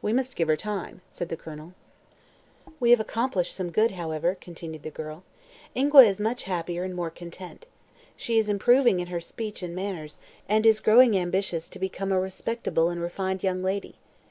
"We must give her time," said the Colonel. "We have accomplished some good, however," continued the girl. "Ingua is much happier and more content. She is improving in her speech and manners and is growing ambitious to become a respectable and refined young lady.